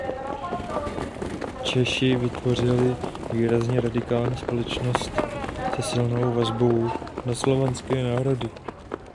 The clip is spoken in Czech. Češi vytvořili výrazně radikální společnost se silnou vazbou na slovanské národy.